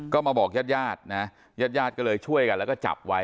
ก็มาบอกญาติญาตินะญาติญาติก็เลยช่วยกันแล้วก็จับไว้